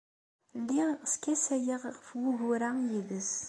Lliɣ skasayeɣ ɣef wugur-a yid-s.